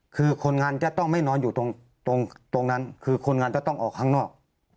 คือคนงานจะต้องไม่นอนอยู่ตรงนั้นคือคนงานจะต้องออกข้างนอก